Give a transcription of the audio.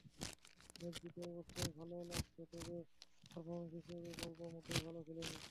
Match জিতে অবশ্যই ভালো লাগছে, তবে পারফরম্যান্সের হিসেবে বলব মোটেই ভালো খেলিনি।